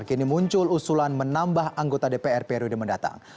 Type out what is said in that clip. kini muncul usulan menambah anggota dpr periode mendatang